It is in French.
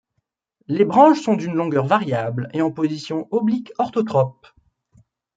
Les branches sont d'une longueur variable et en position oblique orthotrope.